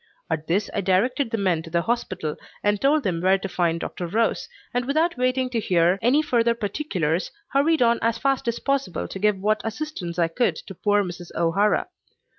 At this I directed the men to the hospital and told them where to find Dr. Rose, and without waiting to hear any further particulars hurried on as fast as possible to give what assistance I could to poor Mrs. O'Hara.